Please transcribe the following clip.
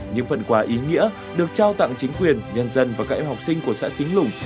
những phần quà ý nghĩa được trao tặng chính quyền nhân dân và các em học sinh của xã xính lùng